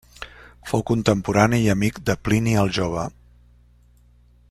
Fou contemporani i amic de Plini el jove.